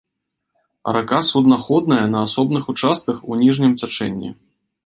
Рака суднаходная на асобных участках у ніжнім цячэнні.